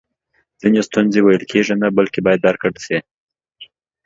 ځینې ستونزی ویل کیږي نه بلکې باید درک کړل سي